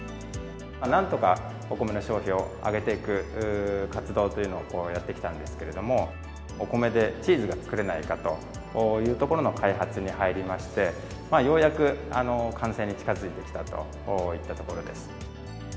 なんとかお米の消費を上げていく活動というのをやってきたんですけれども、お米でチーズが作れないかというところの開発に入りまして、ようやく完成に近づいてきたといったところです。